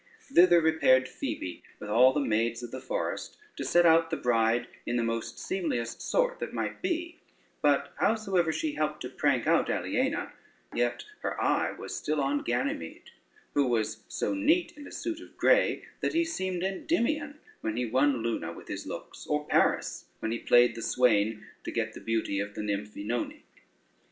] Thither repaired Phoebe with all the maids of the forest, to set out the bride in the most seemliest sort that might be; but howsoever she helped to prank out Aliena, yet her eye was still on Ganymede, who was so neat in a suit of grey, that he seemed Endymion when he won Luna with his looks, or Paris when he played the swain to get the beauty of the nymph Oenone.